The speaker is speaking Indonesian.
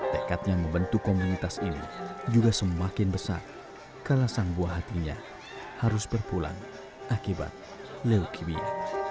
tekadnya membentuk komunitas ini juga semakin besar karena sang buah hatinya harus berpulang akibat leukemia